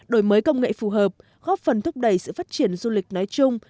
đổi mới công nghệ phù hợp góp phần thúc đẩy sự phát triển du lịch nói chung